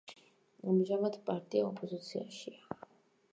ამჟამად პარტია ოპოზიციაშია.